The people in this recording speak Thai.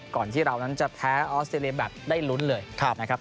ก่อนที่เรานั้นจะแพ้ออสเตรเลียแบบได้ลุ้นเลยนะครับ